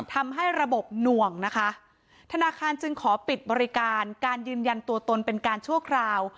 ทำให้ระบบหน่วงนะคะธนาคารจึงขอปิดบริการการยืนยันตัวตนเป็นการชั่วคราว